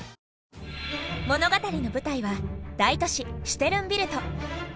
物語の舞台は大都市シュテルンビルト。